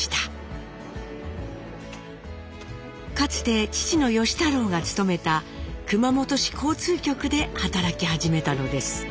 かつて父の芳太郎が勤めた熊本市交通局で働き始めたのです。